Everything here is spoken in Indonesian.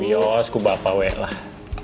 yos ku bapak weh lah